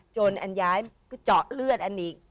อันย้ายเจาะเลือดอันอีก